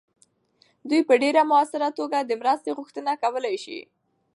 دوی په ډیر مؤثره توګه د مرستې غوښتنه کولی سي.